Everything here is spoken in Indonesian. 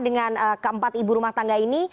dengan keempat ibu rumah tangga ini